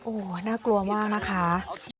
โอ้โหน่ากลัวมากนะคะ